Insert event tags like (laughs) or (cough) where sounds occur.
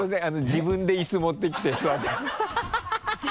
自分で椅子持ってきて座ってください (laughs)